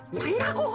ここ。